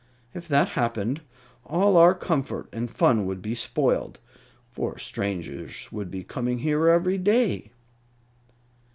If that happened, all our comfort and fun would be spoiled, for strangers would be coming here every day."